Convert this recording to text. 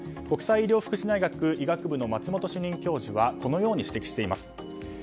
国際医療福祉大学医学部の松本主任教授はこのように指摘しています。